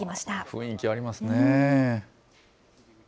雰囲気ありますね。